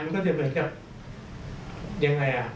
มันก็จะเหมือนกับอย่างไร